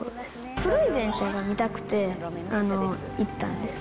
古い電車が見たくて、行ったんです。